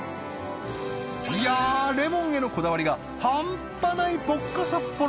いやレモンへのこだわりが半端ないポッカサッポロ！